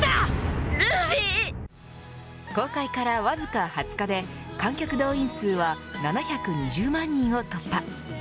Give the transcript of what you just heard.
公開からわずか２０日で観客動員数は７２０万人を突破。